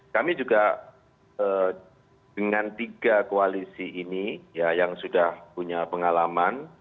kami juga dengan tiga koalisi ini yang sudah punya pengalaman